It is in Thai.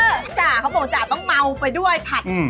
จ้ะเขาบอกจ้ะต้องเมาไปด้วยผัด